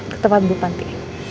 ketepan bu panti